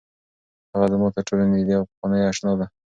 هغه زما تر ټولو نږدې او پخوانۍ اشنا ده.